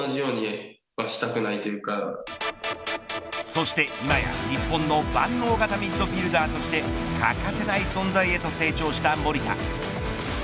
そして今や日本の万能型ミッドフィルダーとして欠かせない存在と成長した守田。